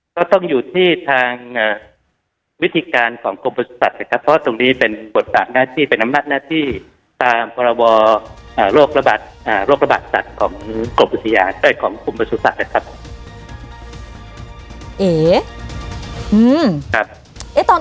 ก็ต้องอยู่ที่ทางวิธีการของกรมประสุทธิศัตริย์เพราะตรงนี้เป็นบทศาสตร์หน้าที่เป็นน้ำหน้าที่ตามภาระบอโรคระบาดสัตว์ของกรมประสุทธิศัตริย์